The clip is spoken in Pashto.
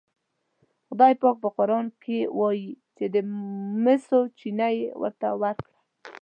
خدای پاک په قرآن کې وایي چې د مسو چینه یې ورته ورکړه.